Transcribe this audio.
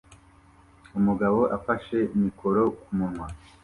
Umugabo afashe mikoro kumunwa